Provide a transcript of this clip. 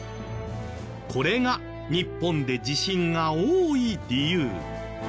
これが日本で地震が多い理由。